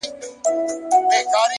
د کوڅې پای کې تیاره تل ژوروالی لري،